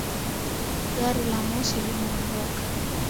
Gari la moshi limeondoka.